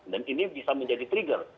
dan ini bisa menjadi trigger